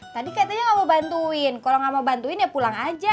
tadi katanya gak mau bantuin kalau gak mau bantuin ya pulang aja